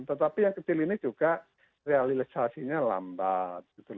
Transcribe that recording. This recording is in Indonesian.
tetapi yang kecil ini juga realisasinya lambat